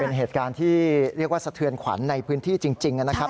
เป็นเหตุการณ์ที่เรียกว่าสะเทือนขวัญในพื้นที่จริงนะครับ